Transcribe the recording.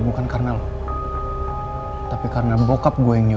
gimana kalau ada ke directions nih